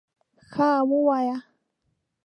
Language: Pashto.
_ښه، ووايه!